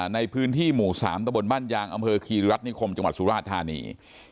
ในพื้นที่หมู่๓ตะบนบ้านยางอำเภอคีริรัฐนิคมจังหวัดสุราชธานี